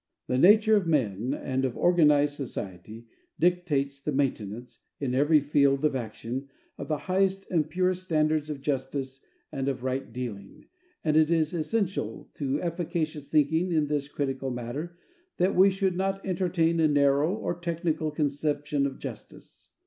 The nature of men and of organized society dictates the maintenance, in every field of action, of the highest and purest standards of justice and of right dealing; and it is essential to efficacious thinking in this critical matter that we should not entertain a narrow or technical conception of justice.